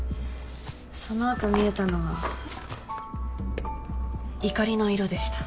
その後見えたのは「怒り」の色でした。